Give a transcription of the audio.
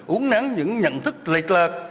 uống nắng những nhận thức lệch lạc